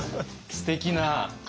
すてきな。